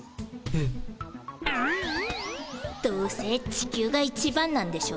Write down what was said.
どうせ地球が一番なんでしょ。